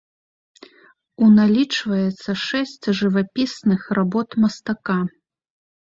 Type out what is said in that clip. У налічваецца шэсць жывапісных работ мастака.